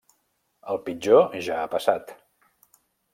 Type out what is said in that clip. El pitjor ja ha passat.